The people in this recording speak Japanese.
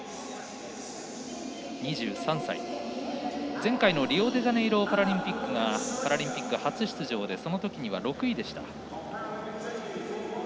前回のリオデジャネイロでのパラリンピックがパラリンピック初出場でそのときは６位でした。